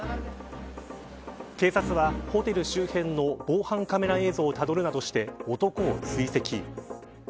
警察は、ホテル周辺の防犯カメラ映像をたどるなどして男を追跡。